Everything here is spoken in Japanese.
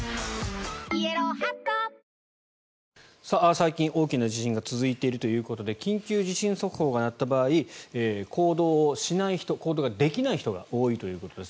最近、大きな地震が続いているということで緊急地震速報が鳴った場合行動しない人行動ができない人が多いということです。